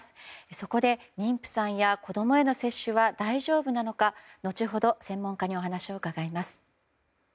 そこで妊婦さんや子供への接種は大丈夫なのか後ほど専門家にお話を伺います。